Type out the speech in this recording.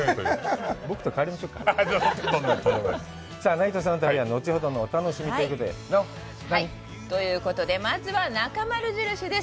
内藤さんの旅は後ほどのお楽しみということで、奈緒、何？ということでまずは「なかまる印」です。